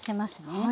はい。